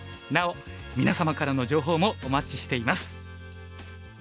なお皆様からの情報もお待ちしています。